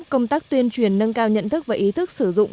công tác tuyên truyền nâng cao nhận thức và ý thức sử dụng